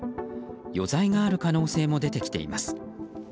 余罪がある可能性も出てきています。